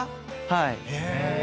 はい。